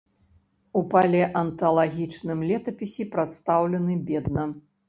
У палеанталагічным летапісе прадстаўлены бедна.